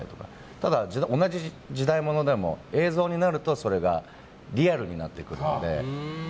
ただ、同じ時代物でも映像になるとそれがリアルになってくるので。